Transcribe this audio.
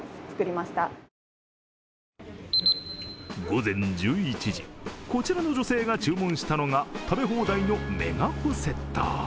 午前１１時こちらの女性が注文したのが食べ放題のメガホセット。